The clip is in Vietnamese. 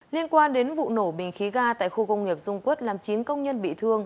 liên quan đến vụ nổ bình khí ga tại khu công nghiệp dung quất làm chín công nhân bị thương